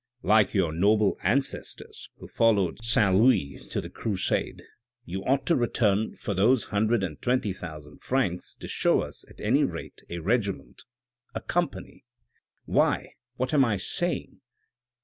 Like your noble 390 THE RED AND THE BLACK ancestors, who followed Saint Louis to the crusade, you ought in return for those hundred and twenty thousand francs to show us at any rate a regiment ; a company, why, what am I saying?